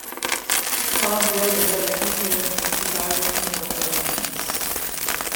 Cobb wrote a letter detailing his desired funeral arrangements.